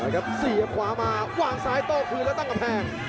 ๔กับขวามาวางซ้ายโตคืนและตั้งกระแพง